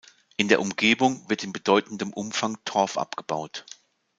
In der Umgebung wird in bedeutendem Umfang Torf abgebaut.